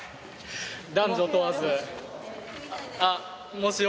男女問わず。